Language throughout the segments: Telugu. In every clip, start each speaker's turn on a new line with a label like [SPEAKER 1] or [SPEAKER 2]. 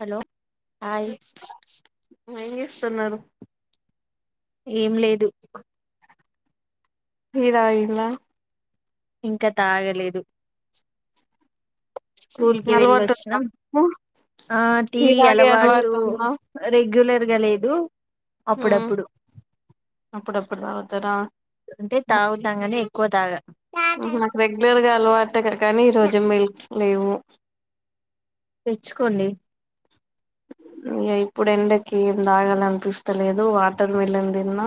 [SPEAKER 1] హలో హాయ్
[SPEAKER 2] ఏం చేస్తున్నరు
[SPEAKER 1] ఏం లేదు
[SPEAKER 2] టి తాగిల్లా
[SPEAKER 1] ఇంకా తాగలేదు స్కూల్ కి
[SPEAKER 2] అలవాటు ఉందా
[SPEAKER 1] వెళ్ళొచ్చినం ఆ టీ అలవాటు రెగ్యులర్గా లేదు
[SPEAKER 2] హా
[SPEAKER 1] అప్పుడప్పుడు
[SPEAKER 2] అప్పుడు అప్పుడు తాగుతర
[SPEAKER 1] అంటే తాగుతా కానీ ఎక్కువ తాగా
[SPEAKER 2] ఉహు నాకు రెగ్యులర్ గా అలవాటు కానీ ఈ రోజు మిల్క్ లేవు
[SPEAKER 1] తెచ్చుకోండి
[SPEAKER 2] ఇ ఇప్పుడు ఎండకి ఏం తాగాలనిపిస్తలేదు వాటర్ మిల్లన్ తిన్నా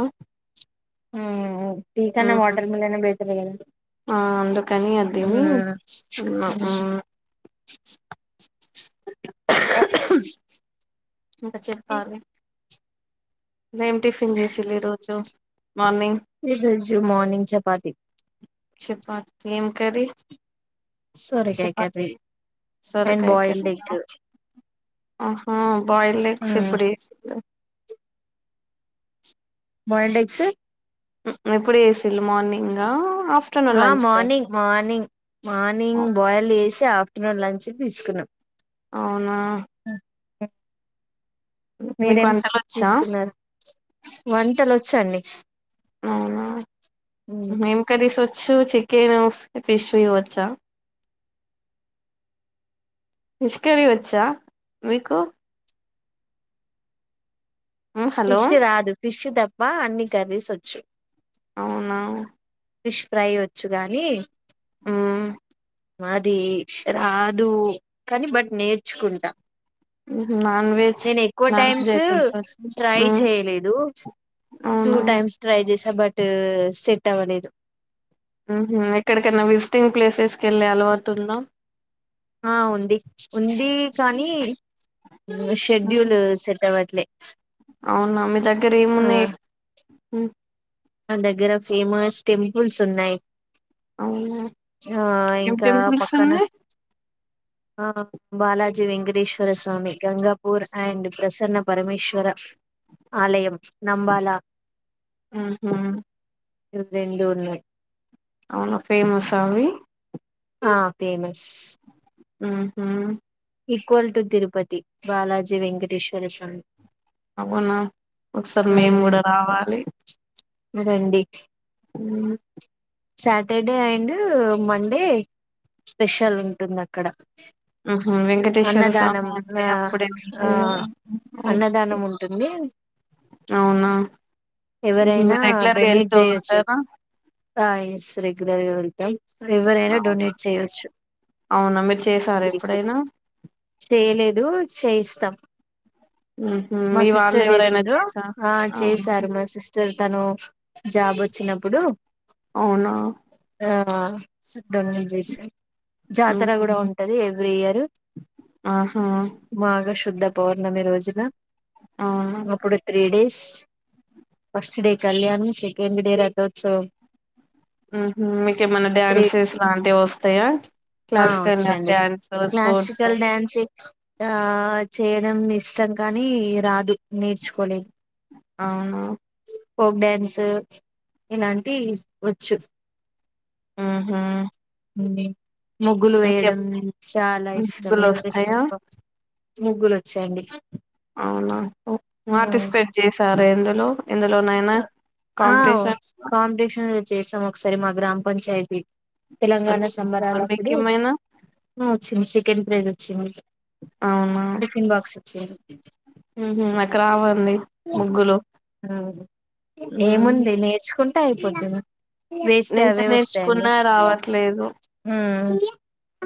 [SPEAKER 1] ఉమ్ టి కన్న వాటర్ మిలన్ ఏ బెటర్ కదా
[SPEAKER 2] ఆ అందుకని అది తిని
[SPEAKER 1] ఉమ్
[SPEAKER 2] ఉన్న ఉ
[SPEAKER 1] రా
[SPEAKER 2] ఇంకా చెప్పాలి ఎం టిఫిన్ చేసీన్లు ఈరోజు
[SPEAKER 1] ఈరోజు మార్నింగ్ చపాతి
[SPEAKER 2] చెపాతి ఏం కర్రీ
[SPEAKER 1] సొరకాయ
[SPEAKER 2] చెపాతి
[SPEAKER 1] కర్రీ అండ్
[SPEAKER 2] సొరకాయ
[SPEAKER 1] బాయిల్డ్
[SPEAKER 2] కర్రీ నా
[SPEAKER 1] ఎగ్
[SPEAKER 2] ఆహా బాయిల్డ్ ఎగ్స్
[SPEAKER 1] ఉమ్
[SPEAKER 2] ఎప్పుడు చేశారు
[SPEAKER 1] బాయిల్డ్ ఎగ్స్
[SPEAKER 2] ఉ ఎప్పుడు వేసళు మార్నింగా ఆఫ్టర్నూన్
[SPEAKER 1] ఆ
[SPEAKER 2] లంచ్ కా
[SPEAKER 1] మార్నింగ్ మార్నింగ్ మార్నింగ్ బాయిల్ చేసి ఆ ఆఫ్టర్నూన్ లంచ్ కి తీసుకున్నా
[SPEAKER 2] అవునా
[SPEAKER 1] ఉ
[SPEAKER 2] మీకు
[SPEAKER 1] మీరేం
[SPEAKER 2] వంటలు వచ్చా
[SPEAKER 1] తీసుకున్నారు వంటలో వ చ్చ అండి
[SPEAKER 2] అవునా మేం okay so fish chicken fish ఇవ్వచ్చా ఫిష్ కర్రీ వచ్చా మీకు ఉమ్, హలో
[SPEAKER 1] ఫిష్ రాదు ఫిష్ తప్ప అన్ని కర్రీస్ వచ్చు
[SPEAKER 2] అవునా
[SPEAKER 1] ఫిష్ ఫ్రై వచ్చు గానీ
[SPEAKER 2] హ్మ్మ్
[SPEAKER 1] అది రాదు కాని బట్ నేర్చుకుంటా
[SPEAKER 2] నాన్ వెజ్
[SPEAKER 1] నేను ఎక్కువ
[SPEAKER 2] నాన్ వెజ్
[SPEAKER 1] టైమ్స్
[SPEAKER 2] ఐటమ్స్ వచ్చా
[SPEAKER 1] ట్రై
[SPEAKER 2] ఉమ్,
[SPEAKER 1] చేయలేదు టూ
[SPEAKER 2] అవునా
[SPEAKER 1] టైమ్స్ ట్రై చేసా బట్ సెట్ అవ్వలేదు
[SPEAKER 2] ఎక్కడికన్నా విజిటింగ్ ప్లేసెస్కి వెళ్లే అలవాటుందా
[SPEAKER 1] ఆ ఉంది ఉంది కానీ
[SPEAKER 2] ఉహు,
[SPEAKER 1] షెడ్యూల్ సెట్ అవ్వట్లేదు
[SPEAKER 2] అవునా మీ దగ్గర ఏమున్నాయి
[SPEAKER 1] ఆ దగ్గర ఫేమస్ టెంపుల్స్ ఉన్నాయి
[SPEAKER 2] అవునా
[SPEAKER 1] ఆ
[SPEAKER 2] ఏం
[SPEAKER 1] ఇంకా
[SPEAKER 2] టెంపుల్స్
[SPEAKER 1] పక్కన
[SPEAKER 2] ఉన్నాయి
[SPEAKER 1] ఆ బాలాజీ వెంకటేశ్వర స్వామి గంగా పూర్ అండ్ ప్రసన్న పరమేశ్వర ఆలయం నంబాలా
[SPEAKER 2] ఆహా
[SPEAKER 1] తిరువెంగళూరుని
[SPEAKER 2] అవును ఫేమస్ ఆ అవి
[SPEAKER 1] ఆ ఫేమస్
[SPEAKER 2] ఆ హ
[SPEAKER 1] ఈక్వల్ టు తిరుపతి బాలాజీ వెంకటేశ్వర స్వామి
[SPEAKER 2] అవునా ఒకసారి మేము
[SPEAKER 1] మ్మ్
[SPEAKER 2] కూడా రావాలి
[SPEAKER 1] రండి
[SPEAKER 2] అ
[SPEAKER 1] సాటర్డే అండ్ మండే స్పెషల్ ఉంటుంది అక్కడ
[SPEAKER 2] ఉహు వెంకటేశ్వర
[SPEAKER 1] అన్నదానం
[SPEAKER 2] స్వామి అంటే
[SPEAKER 1] ఆ
[SPEAKER 2] అప్పుడే
[SPEAKER 1] ఆ
[SPEAKER 2] ఉంటాయి కదా ఓకే
[SPEAKER 1] అన్నదానం ఉంటుంది అ
[SPEAKER 2] అవునా హుహు.
[SPEAKER 1] ఎవరైనా
[SPEAKER 2] మీరు రెగ్యులర్ గా
[SPEAKER 1] డొనేట్
[SPEAKER 2] వెళ్తూ
[SPEAKER 1] చేయొచ్చు
[SPEAKER 2] ఉంటారా
[SPEAKER 1] ఎస్ రెగ్యులర్గా ఎవరైనా
[SPEAKER 2] అవునా
[SPEAKER 1] డొనేట్ చెయచ్చు
[SPEAKER 2] అవునా మీరు చేసారా ఎప్పుడైనా
[SPEAKER 1] చేయలేదు చేయిస్తాం
[SPEAKER 2] ఉహు
[SPEAKER 1] మా
[SPEAKER 2] మీ వాళ్ళు
[SPEAKER 1] సిస్టర్
[SPEAKER 2] ఎవరైనా
[SPEAKER 1] చేసిండ్రు
[SPEAKER 2] చేసా
[SPEAKER 1] ఆ
[SPEAKER 2] అవునా
[SPEAKER 1] చేసారు మా సిస్టర్ తను జాబ్ వ వచ్చినప్పుడు
[SPEAKER 2] అవునా
[SPEAKER 1] ఆ డొనేట్ చేసా జాతర
[SPEAKER 2] ఉహు
[SPEAKER 1] కూడా ఉంటది ఎవ్రీ ఇయర్
[SPEAKER 2] ఆహా
[SPEAKER 1] మాఘ శుద్ధ పౌర్ణమి రోజున
[SPEAKER 2] అవునా
[SPEAKER 1] అప్పుడు త్రీ డేస్ ఫస్ట్ డే కళ్యాణం సెకండ్ డే రథోత్సవం
[SPEAKER 2] మీకేమన్నా
[SPEAKER 1] త్రీ
[SPEAKER 2] డ్యాన్సెస్ లాంటివి వస్తాయా
[SPEAKER 1] ఆ
[SPEAKER 2] క్లాసికల్
[SPEAKER 1] వచ్చండి
[SPEAKER 2] డ్యాన్స్ స్పోర్ట్స్
[SPEAKER 1] క్లాసికల్ డ్యాన్స్ ఆ చేయడం ఇష్టం కానీ రాదు నేర్చుకోలే
[SPEAKER 2] అవునా
[SPEAKER 1] ఫోక్ డ్యాన్స్ ఇలాంటి వచ్చు
[SPEAKER 2] ఆ హ
[SPEAKER 1] ముగ్గులు వేయడం చాలా ఇష్టం
[SPEAKER 2] ముగ్గులు
[SPEAKER 1] ఇంట్రెస్ట్
[SPEAKER 2] వస్తాయా
[SPEAKER 1] ఎక్కువ ముగ్గులు వచ్చాయండి
[SPEAKER 2] అవునా పార్టిసిపేట్ చేసారా ఎందులో ఎందులోనైనా
[SPEAKER 1] ఆ
[SPEAKER 2] కాంపిటీషన్స్ లో
[SPEAKER 1] కాంపిటిషన్ చేసాం ఒక ఒకసారి మా గ్రామ పంచాయతీ తెలంగాణ
[SPEAKER 2] వచ్చిందా
[SPEAKER 1] సంబరాల
[SPEAKER 2] మీకు
[SPEAKER 1] అప్పుడు
[SPEAKER 2] ఏమైనా
[SPEAKER 1] మా చిన్న చి కెన్ ప్రైజ్ వచ్చింది
[SPEAKER 2] అవునా
[SPEAKER 1] సరే
[SPEAKER 2] ఉహా నాకు రావండి ముగ్గులు ఉమ్
[SPEAKER 1] ఏముంది నేర్చుకుంటే అయిపోత్తది వేస్తే
[SPEAKER 2] ఎంత
[SPEAKER 1] అవే వస్తాయండి
[SPEAKER 2] నేర్చుకున్నా రావట్లేదు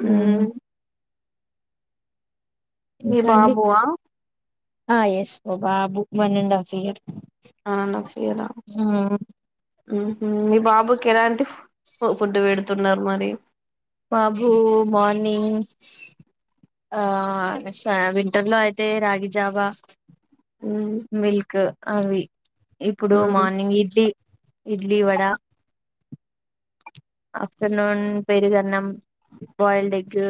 [SPEAKER 1] ఆ
[SPEAKER 2] ఉమ్ ఈ
[SPEAKER 1] ఇంకా అండి
[SPEAKER 2] బాబువా
[SPEAKER 1] ఆ ఎస్ మా బాబు one and half year
[SPEAKER 2] one and half year మీ బాబుకి ఎలాంటి ఫుడ్డు పెడుతున్నారు మరి
[SPEAKER 1] బాబు మార్నింగ్ ఆ శా వింటర్లో అయితే రాగి జావా
[SPEAKER 2] ఉమ్
[SPEAKER 1] మిల్క్ అవి ఇప్పుడు
[SPEAKER 2] ఉమ్
[SPEAKER 1] మార్నింగ్ ఇడ్లీ ఇడ్లీ వడ ఆఫ్టర్నూన్ పెరుగన్నం బాయిల్డ్ ఎగ్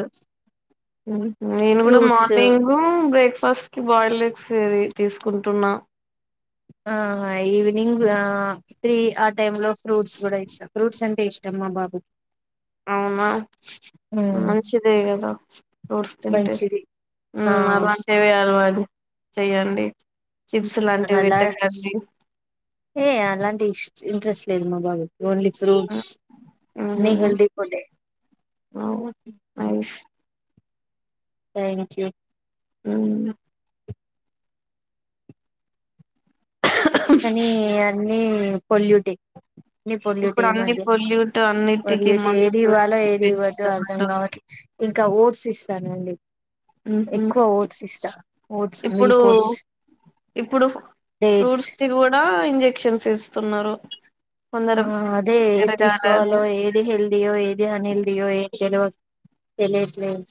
[SPEAKER 2] నేను కూడా
[SPEAKER 1] ఫ్రూట్స్
[SPEAKER 2] మార్నింగ్ బ్రేక్ ఫస్ట్ కి బాయిల్ ఎగ్స్ ఏది తీసుకుంటున్నా
[SPEAKER 1] ఆ ఈవినింగ్ తీ ఆ టై లో ఫ్రూట్స్ కూడా ఇస్తా ఫ్రూట్స్ అంటే ఇష్టం చమ్మా బాబు
[SPEAKER 2] అవునా మంచిదే గదా ఓట్స్ తింటే
[SPEAKER 1] మంచిది ఆ
[SPEAKER 2] అలాంటేవి అలవాదు చెయ్యండి చిప్స్ లాంటివి
[SPEAKER 1] అలా
[SPEAKER 2] పెట్టకండి
[SPEAKER 1] ఏ అలాంటి ఇంట్రెస్ట్ లేదు మా బాబు ఓన్లీ ఫ్రూట్స్ ని హెల్ది ఫుడ్
[SPEAKER 2] అవు అవిష్
[SPEAKER 1] థ్యాంక్ యూ
[SPEAKER 2] అ
[SPEAKER 1] కానీ అన్నీ పొల్యూటి నీ పొల్యూట్
[SPEAKER 2] ఇప్పుడు అన్ని
[SPEAKER 1] ఈమధ్య
[SPEAKER 2] పొల్యూట్ అన్నిటికి
[SPEAKER 1] పొల్యూట్ ఏది
[SPEAKER 2] మందులు
[SPEAKER 1] ఇవ్వాలో
[SPEAKER 2] వేసి
[SPEAKER 1] ఏది ఇవ్వద్దు అర్ధం
[SPEAKER 2] పెంచుతున్నారు
[SPEAKER 1] కావట్లే ఇంకా ఓట్స్ ఇస్తానండి
[SPEAKER 2] మ్మ్
[SPEAKER 1] ఎక్కువ ఓట్స్ ఇస్తా ఓట్స్
[SPEAKER 2] ఇప్పుడు
[SPEAKER 1] మిల్క్ ఓట్స్
[SPEAKER 2] ఇప్పుడు
[SPEAKER 1] డేట్స్
[SPEAKER 2] ఫ్రూట్స్ కి కూడా ఇంజక్షన్స్ ఇస్తున్నారు కొందరు
[SPEAKER 1] ఆ అదే ఎది
[SPEAKER 2] పెరగాలని
[SPEAKER 1] తీసుకోవాలో ఏది హెల్దీయో ఏది అన్హెల్దీయో ఏ తెలువదు తెలియట్లేదు.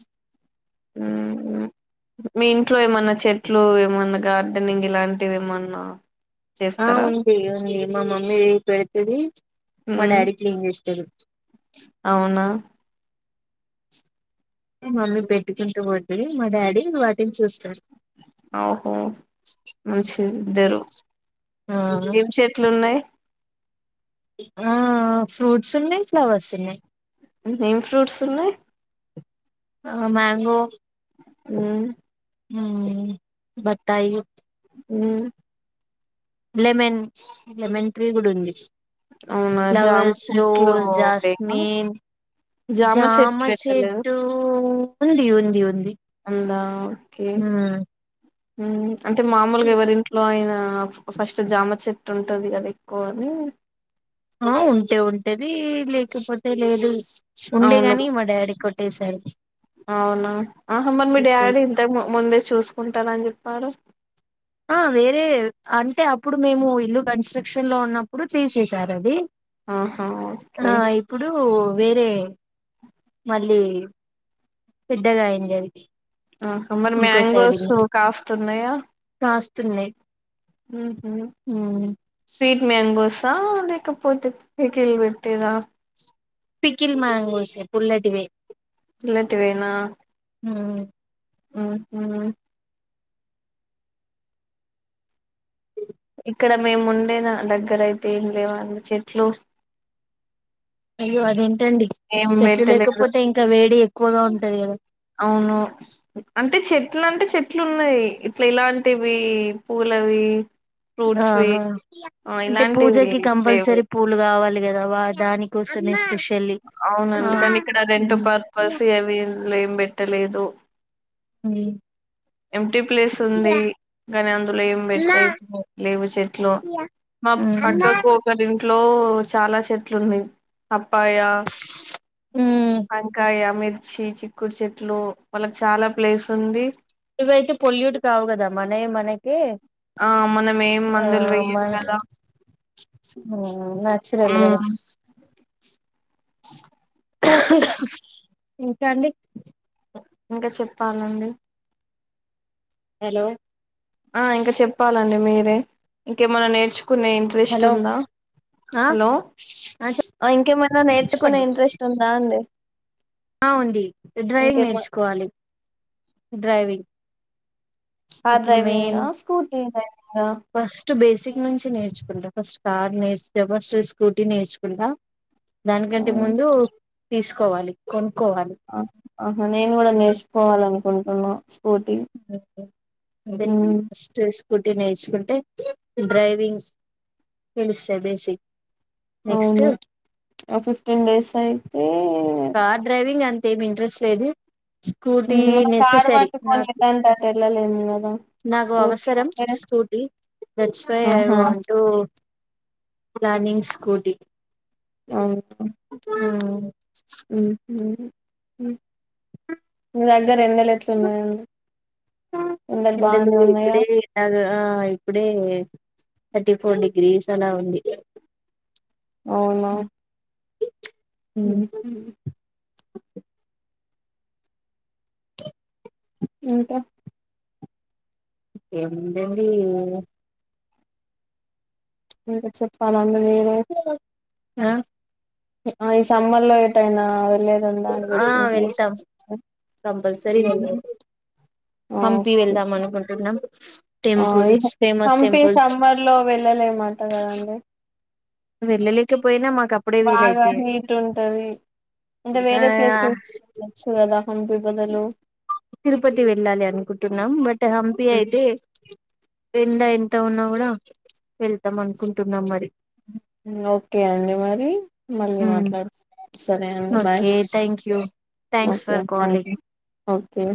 [SPEAKER 2] హ్మ్మ్ మీ ఇంట్లో ఏమన్నా చెట్లు ఏమన్నా గార్డెనింగ్ ఇలాంటివి ఏమన్నా
[SPEAKER 1] ఆ
[SPEAKER 2] చేస్తారా
[SPEAKER 1] ఉంది ఉంది మా మమ్మీ పెడుతది. మా
[SPEAKER 2] మ్మ్
[SPEAKER 1] డాడీ క్లీన్ చేస్తడు.
[SPEAKER 2] అవునా
[SPEAKER 1] మమ్మీ పెట్టుకుంటూ పోద్ది మా డాడీ వాటిని చూస్తారు
[SPEAKER 2] అ ఓహో మంచిగా ఇద్దరు
[SPEAKER 1] ఆ
[SPEAKER 2] ఏమి చెట్లు ఉన్నాయి
[SPEAKER 1] ఆ ఫ్రూట్స్ ఉన్నాయి ఫ్లవర్స్ ఉన్నాయి.
[SPEAKER 2] ఏం ఫ్రూట్స్ ఉన్నాయి.
[SPEAKER 1] ఆ మ్యాంగో
[SPEAKER 2] హ్మ్మ్
[SPEAKER 1] బత్తాయి
[SPEAKER 2] హ్మ్మ్
[SPEAKER 1] లెమన్ లెమన్ ట్రీ కూడా ఉంది.
[SPEAKER 2] అవునా జామ
[SPEAKER 1] ఫ్లవర్స్,
[SPEAKER 2] చెట్లు
[SPEAKER 1] రోజ్,
[SPEAKER 2] లేవా
[SPEAKER 1] జాస్మిన్. జామ
[SPEAKER 2] చెట్లు పెట్టలేదు
[SPEAKER 1] చెట్టు ఉంది ఉంది ఉంది.
[SPEAKER 2] ఉందా! ఓకే
[SPEAKER 1] మ్మ్
[SPEAKER 2] అంటే మామూలుగా ఎవరింట్లో అయినా ఆ ఫస్ట్ జామ చెట్టు ఉంటుంది కదా ఎక్కువ అని
[SPEAKER 1] ఆ ఉంటే ఉంటది లేకపోతే లేదు ఉండే
[SPEAKER 2] అవును
[SPEAKER 1] గాని మా డాడీ కొట్ ట్టేసాడు.
[SPEAKER 2] అవునా ఆహా మరి మీ డాడీ ఇంతగ ము ముందే చూసుకుంటారని చెప్పారు.
[SPEAKER 1] వేరే అంటే అప్పుడు మేము ఇల్లు కన్స్ట్రక్షన్ లో ఉన్నప్పుడు తీసేసారు అది
[SPEAKER 2] ఆహా ఓకే
[SPEAKER 1] ఆ ఇప్పుడు వేరే మళ్ళీ పెద్దగా అయింది. అది
[SPEAKER 2] ఆహా మరి
[SPEAKER 1] ఇంకో సైడ్
[SPEAKER 2] మ్యాంగోస్ కాస్తున్నాయా?
[SPEAKER 1] తున్నాయి.
[SPEAKER 2] హు హుమ్ స్వీట్ మ్యాంగోస లేకపోతే పీకీలు పెట్టేదా.
[SPEAKER 1] Pickle mangoes పుల్లటివే.
[SPEAKER 2] పుల్లటివేనా
[SPEAKER 1] హ్మ్.
[SPEAKER 2] ఉహుం ఇక్కడ మేము ఉండేద దగ్గర అయితే ఏం లేవండి చెట్లు
[SPEAKER 1] అయ్యో అదేంటండి
[SPEAKER 2] ఏం
[SPEAKER 1] చెట్లు
[SPEAKER 2] పెట్టలేదు
[SPEAKER 1] లేకపోతే ఇంకా వేడి ఎక్కువగా ఉంటది కదా
[SPEAKER 2] అవును అంటే చె ట్లూ అంటే చెట్లు ఉన్నాయి. ఇట్లా ఇలాంటివి పూలవి ఫ్రూట్స్వి
[SPEAKER 1] ఆహా
[SPEAKER 2] ఆ
[SPEAKER 1] అంటే
[SPEAKER 2] ఇలాంటివి
[SPEAKER 1] పూజకి
[SPEAKER 2] లేవు
[SPEAKER 1] కంపల్సరీ పూలు కావాలి కదా వా దానికి కోసమే స్పెషల్
[SPEAKER 2] అవునండి కానీ ఇక్కడ రెంట్ పర్పస్ అవి ఏం వీళ్లు ఏం బెట్టలేదు.
[SPEAKER 1] ఉమ్
[SPEAKER 2] ఎంప్టీ ప్లేస్ ఉంది కానీ అందులో ఏం
[SPEAKER 1] ఇవైతే
[SPEAKER 2] పెట్టేటివి లేవు చెట్లు మామ్ పక్కకు ఒకరింట్లో చాలా చెట్లు ఉన్నాయి పప్పాయ, వంకాయ, మీర్ చ్చి, చిక్కుడు చెట్లు వాళ్ళకి చాలా ప్లేస్ ఉంది.
[SPEAKER 1] ఇవైతే పొల్యూట్ కావు కదా మనయి మనకే
[SPEAKER 2] ఆ మనం ఏం మందులు వేయ్యం కదా!
[SPEAKER 1] హ్మ్ నేచురల్ గదా.
[SPEAKER 2] మ్
[SPEAKER 1] ఓకే ఇంకా అండి.
[SPEAKER 2] ఇంకా చెప్పాలండి.
[SPEAKER 1] హలో
[SPEAKER 2] ఆ ఇంకా చెప్పాలండి మీరే ఇంకేమన్నా నేర్చుకునే ఇంట్రెస్ట్
[SPEAKER 1] హలో
[SPEAKER 2] ఉందా.
[SPEAKER 1] ఆ
[SPEAKER 2] హలో
[SPEAKER 1] ఆ
[SPEAKER 2] ఇంకేమైనా నేర్చుకునే
[SPEAKER 1] చెప్పండి
[SPEAKER 2] ఇంట్రెస్ట్ ఉందా అండి.
[SPEAKER 1] ఆ ఉంది డ్రైవింగ్
[SPEAKER 2] ఇంకేమ
[SPEAKER 1] నేర్చుకోవాలి డ్రైవింగ్
[SPEAKER 2] కార్
[SPEAKER 1] ఇప్పుడు మెయిన్
[SPEAKER 2] డ్రైవింగా స్కూటీ డ్రైవింగా
[SPEAKER 1] ఫస్ట్ బేసిక్ నుంచి నేర్చుకుంటా ఫస్ట్ కార్ నేర్చబస్ట్రీ స్కూటీ నేర్చుకుంటా దానికంటే
[SPEAKER 2] ఉమ్
[SPEAKER 1] ముందు తీసుకోవాలి కొన్
[SPEAKER 2] ఆ ఆహా నేను కూడా నేర్చుకోవాలనుకుంటున్నా స్కూటీ మ్
[SPEAKER 1] [unintelligible] స్కూటీ నేర్చుకుంటే డ్రైవింగ్ తేలుస్తాయి బేసిక్ నెక్స్ట్
[SPEAKER 2] అవును ఓ ఫిఫ్టీన్ డేస్ అయితే
[SPEAKER 1] కార్ డ్రైవింగ్ అంత ఏమి ఇంట్రెస్ట్ లేది.
[SPEAKER 2] మ్ కారు వట్టుకొని ఎట్ అంటే అటు వెళ్ళలేము కదా!
[SPEAKER 1] నాకు
[SPEAKER 2] స్కూటీ
[SPEAKER 1] అవసరం
[SPEAKER 2] ఉంటే
[SPEAKER 1] స్కూటీ దట్స్ వై ఐ
[SPEAKER 2] ఆహా
[SPEAKER 1] వాంటూ ప్లానింగ్ స్కూటీ
[SPEAKER 2] ఆహా ఉహుం మీ దగ్గర ఎండేలు ఎట్లా ఉన్నాయండి. ఎండలు బాగానే ఉన్నాయా,
[SPEAKER 1] ఆ ఇప్పుడే థర్టీ ఫోర్ డిగ్రీస్ అలా ఉంది.
[SPEAKER 2] అవును [unintelligible]
[SPEAKER 1] [unintelligible]
[SPEAKER 2] ఇంకా
[SPEAKER 1] ఏముంది అండీ
[SPEAKER 2] ఇంకా చెప్పాలండి మీరే
[SPEAKER 1] ఆ
[SPEAKER 2] ఆ ఈ సమ్మర్ లో ఏటైనా వేల వెల్డండాన్
[SPEAKER 1] ఆ
[SPEAKER 2] విష్ మీ
[SPEAKER 1] వెళ్తాం
[SPEAKER 2] టేషన్
[SPEAKER 1] కంపల్సరీ వెళ్తాం
[SPEAKER 2] వి
[SPEAKER 1] హంపి వెళ్దాం అనుకుంటున్నాం
[SPEAKER 2] ఓే
[SPEAKER 1] temples famous
[SPEAKER 2] Hampi
[SPEAKER 1] temples
[SPEAKER 2] summer లో వెళ్ళి పిల్లలు ఏమాంటాలేరా అండి
[SPEAKER 1] నువ్వు వెళ లేక పోయినా మ
[SPEAKER 2] బాగా హీట్ ఉంటది అంటే
[SPEAKER 1] ఆ
[SPEAKER 2] వేరే ప్లేసెస్ వెళ్చ్చు కదా హంపి బదులు
[SPEAKER 1] తిరుపతి వెళ్ళాలి అనుకుంటున్నాం బట్ హంపీ అయితే, ఎండ ఎంత ఉన్నా కూడా వెళ్తాం అనుకుంటున్నాం మరి
[SPEAKER 2] ఓకే అండి మరి మళ్ళీ మాట్లాడు సరే అండి bye
[SPEAKER 1] okay thank you thanks
[SPEAKER 2] okay
[SPEAKER 1] for
[SPEAKER 2] thank
[SPEAKER 1] calling,
[SPEAKER 2] you okay